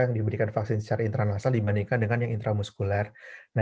yang diberikan vaksin secara intranasal dibandingkan dengan yang intramuskuler